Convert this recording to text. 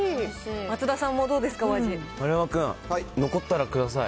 松田さんもどうですか、お味丸山君、残ったらください。